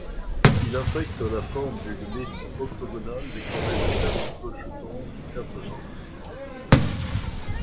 Il affecte la forme d'une mitre octogonale décorée de quatre clochetons aux quatre angles.